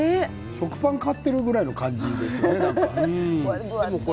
食パンを買っているぐらいな感じですよね。